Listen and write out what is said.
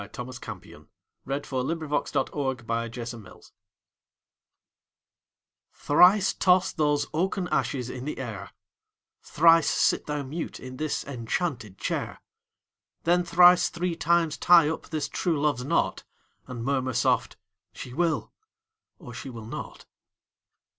Thomas Campion Thrice Toss Those Oaken Ashes in the Air THRICE toss those oaken ashes in the air; Thrice sit thou mute in this enchanted chair; Then thrice three times tie up this true love's knot, And murmur soft: "She will, or she will not."